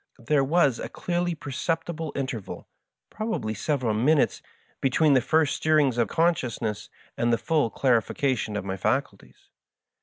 There was a clearly perceptible interval — ^probably several minutes — ^between the first stirrings of consdousness and the full clarification of my faculties.